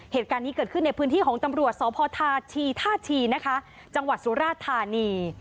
เหตุการณ์นี้เกิดขึ้นในพื้นที่ของตำรวจสพทาชีท่าชีนะคะจังหวัดสุราธานี